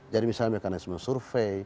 jadi misalnya mekanisme survei